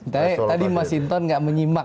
tapi tadi mas inton nggak menyimak